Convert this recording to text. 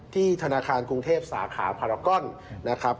ธนาคารกรุงเทพสาขาพารากอนนะครับ